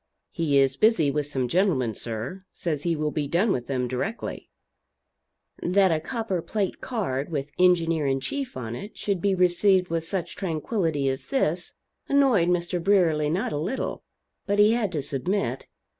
"He is busy with some gentlemen, sir; says he will be done with them directly." That a copper plate card with "Engineer in Chief" on it should be received with such tranquility as this, annoyed Mr. Brierly not a little. But he had to submit.